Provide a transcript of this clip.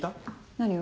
何を？